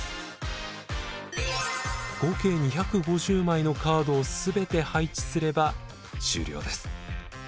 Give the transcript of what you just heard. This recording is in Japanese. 合計２５０枚のカードを全て配置すれば終了です。